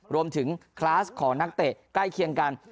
คลาสของนักเตะใกล้เคียงกัน